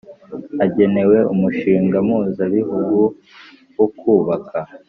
agenewe umushinga mpuzabihugu wo kubaka